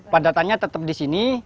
padatannya tetap di sini